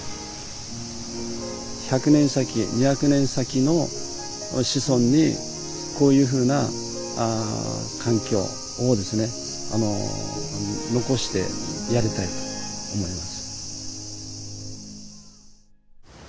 １００年先２００年先の子孫にこういうふうな環境をですね残してやりたいと思います。